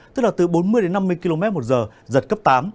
tức là từ bốn mươi đến năm mươi km một giờ giật cấp tám